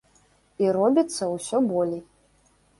І робіцца ўсё болей.